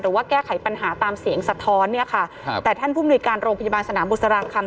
หรือว่าแก้ไขปัญหาตามเสียงสะท้อนแต่ท่านผู้มือการโรงพยาบาลสนามบุษราคัม